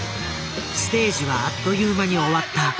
ステージはあっという間に終わった。